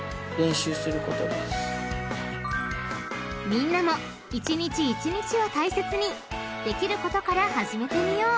［みんなも一日一日を大切にできることから始めてみよう］